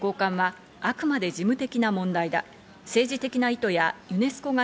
政府高官はあくまで事務的な問題だ。